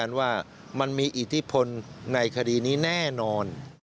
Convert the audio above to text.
ในคดีนี้แน่นอน